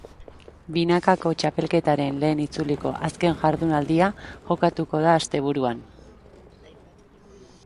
Binakako txapelketaren lehen itzuliko azken jardunaldia jokatuko da asteburuan.